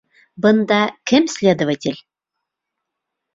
Бында кем следователь?